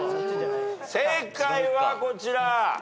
正解はこちら。